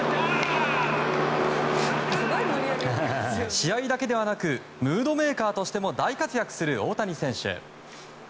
試合だけではなくムードメーカーとしても大活躍する大谷選手。